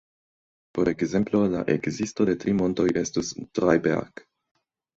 Por ekzemplo, la ekzisto de tri montoj estus Drei-Berg-.